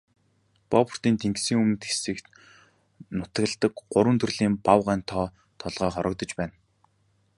Бофортын тэнгисийн өмнөд хэсгээр нутагладаг гурван төрлийн баавгайн тоо толгой хорогдож байна.